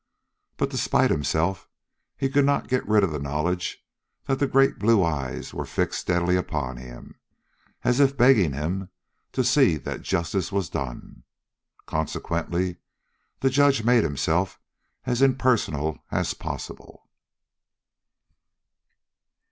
But, despite himself, he could not get rid of the knowledge that the great blue eyes were fixed steadily upon him, as if begging him to see that justice was done. Consequently, the judge made himself as impersonal as possible.